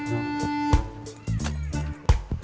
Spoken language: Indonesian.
uangnya di rumah